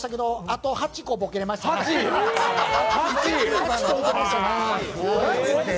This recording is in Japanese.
あと８個、ボケれましたね。